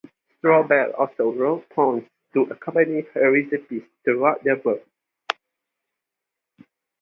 Strobel also wrote poems to accompany her recipes throughout the book.